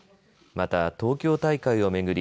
また東京大会を巡り